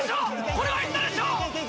これはいったでしょ。